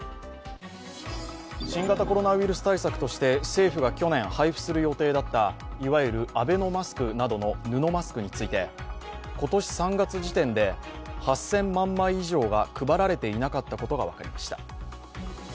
新型コロナウイルス対策として政府が去年配布する予定だったいわゆるアベノマスクなどの布マスクについて今年３月時点で、８０００万枚以上が配られていなかったことが分かりました。